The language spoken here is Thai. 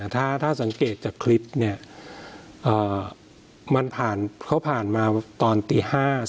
ถ้าสังเกตจากคลิปเนี่ยมันผ่านเขาผ่านมาตอนตี๕